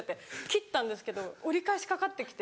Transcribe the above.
切ったんですけど折り返しかかってきて。